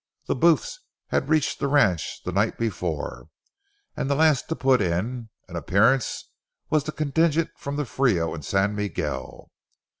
The Booths had reached the ranch the night before, and the last to put in an appearance was the contingent from the Frio and San Miguel.